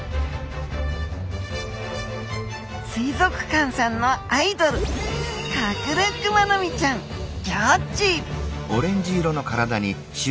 水族館さんのアイドルカクレクマノミちゃんギョっち！